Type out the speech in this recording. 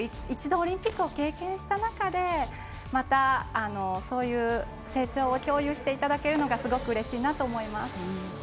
一度、オリンピックを経験した中またそういう成長を共有していただけるのがすごくうれしいなと思います。